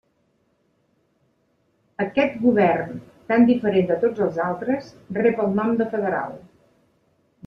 Aquest govern, tan diferent de tots els altres, rep el nom de federal.